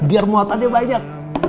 biar muatannya banyak